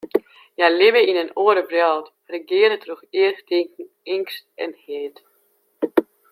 Hja libbe yn in oare wrâld, regearre troch erchtinken, eangst en haat.